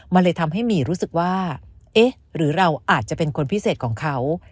มันเลยทำให้หมี่รู้สึกว่าเอ๊ะหรือเราอาจจะเป็นคนพิเศษของเขา